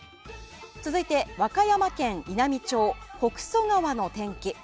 続いて和歌山県稲美町樮川の天気。